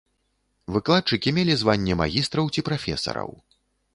Выкладчыкі мелі званне магістраў ці прафесараў.